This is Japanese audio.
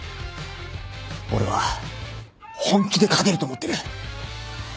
俺は本気で勝てると思ってる。